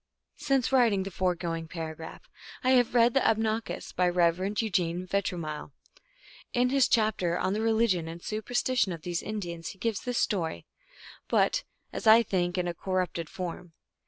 Since writing the foregoing paragraph, I have read The Abnakis, by Rev. Eugene Yetromile. In his chapter on the Religion and Superstition of these In dians he gives this story, but, as I think, in a cor rupted form.